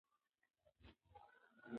د مور تغذيه متوازنه وساتئ.